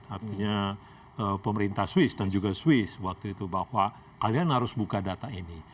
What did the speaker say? artinya pemerintah swiss dan juga swiss waktu itu bahwa kalian harus buka data ini